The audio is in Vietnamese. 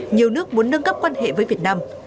nhiều nước muốn nâng cấp quan hệ với việt nam